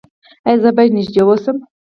ایا زه باید نږدې اوسم؟